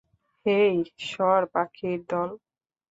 হেই, সর পাখির দল।